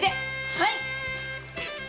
はい！